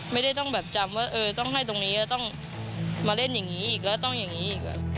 ไม่ได้ต้องแบบจำว่าเออต้องให้ตรงนี้จะต้องมาเล่นอย่างนี้อีกแล้วต้องอย่างนี้อีก